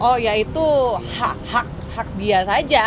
oh ya itu hak hak dia saja